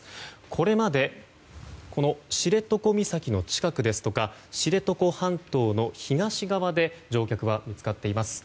これまで知床岬の近くや知床半島の東側で、乗客は見つかっています。